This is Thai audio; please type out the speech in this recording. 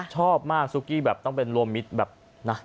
ชอบมากซุกี้แบบต้องเป็นรวมมิตรแบบนะ